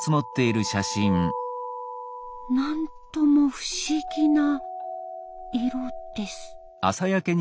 なんとも不思議な色です。